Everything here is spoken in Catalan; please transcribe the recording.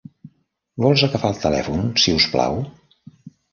Vols agafar el telèfon, si us plau?